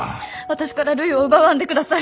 私からるいを奪わんでください。